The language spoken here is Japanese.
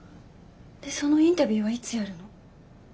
でそのインタビューはいつやるの？